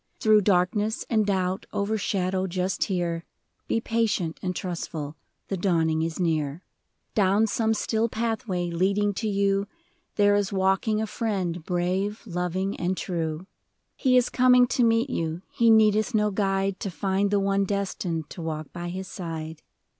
Though darkness and doubt overshadow just here. Be patient and trustful, — the dawning is near. 70 * COMING. Down some still pathway leading to you There is walking a friend, brave, loving, and true. He is coming to meet you, he needeth no guide To find the one destined to walk by his side.